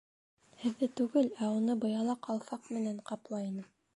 Һеҙҙе түгел, ә уны быяла ҡалфаҡ менән ҡаплай инем.